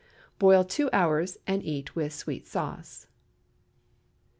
Boil two hours, and eat with sweet sauce.